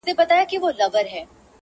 چا منلی چا له یاده دی ایستلی٫